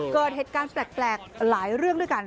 เกิดเหตุการณ์แปลกหลายเรื่องด้วยกัน